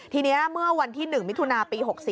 ทีนี้เมื่อวันที่๑มิถุนาปี๖๔